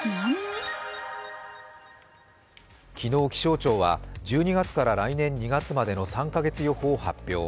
昨日、気象庁は１２月から来年２月までの３カ月予報を発表。